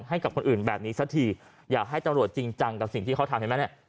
ให้กับคนอื่นแบบนี้สักทีอยากให้ตำรวจจริงจังกับสิ่งที่เขาทำเห็นไหมเนี่ย